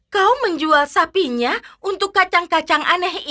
kau menjual sapinya untuk kacang kacang